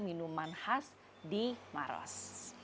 minuman khas di maros